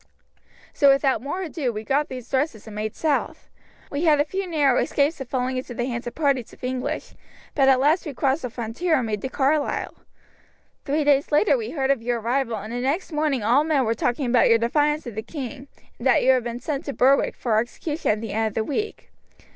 So without more ado we got these dresses and made south. We had a few narrow escapes of falling into the hands of parties of English, but at last we crossed the frontier and made to Carlisle. Three days later we heard of your arrival, and the next morning all men were talking about your defiance of the king, and that you had been sent to Berwick for execution at the end of the week.